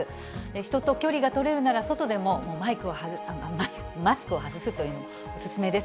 人と距離が取れるなら、外でもマスクを外すというのもお勧めです。